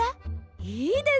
いいですね！